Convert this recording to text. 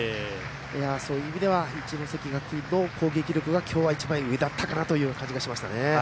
そういう意味では一関学院の攻撃力が今日は一枚上だったかなという感じがしましたね。